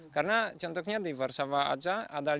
karena contohnya di warsaw aja ada lima puluh